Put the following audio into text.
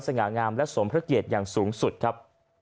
ง่างามและสมพระเกียรติอย่างสูงสุดครับ